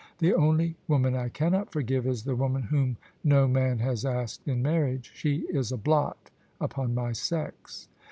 The only woman I cannot forgive is the woman whom no man has asked in marriage: she is a blot upon my sex."